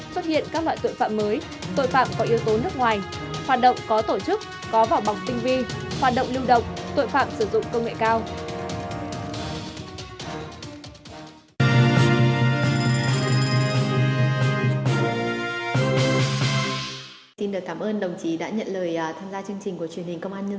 xuất hiện các loại tội phạm mới tội phạm có yếu tố nước ngoài hoạt động có tổ chức có vào bọc tinh vi hoạt động lưu động tội phạm sử dụng công nghệ cao